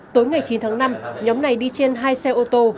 tối ngày chín tháng năm nhóm này đi trên hai xe ô tô